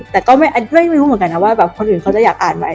แต่ก็ไม่รู้เหมือนกันนะว่าแบบคนอื่นเขาจะอยากอ่านไหม